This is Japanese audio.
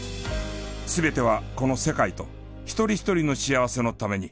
全てはこの世界と一人一人の幸せのために。